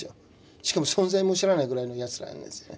しかも存在も知らないぐらいのやつらなんですね。